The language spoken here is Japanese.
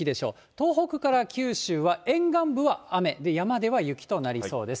東北から九州は、沿岸部は雨で、山では雪となりそうです。